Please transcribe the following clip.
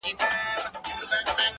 • ته يې بد ايسې؛